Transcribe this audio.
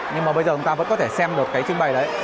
nhưng mà bây giờ chúng ta vẫn có thể xem được cái trưng bày đấy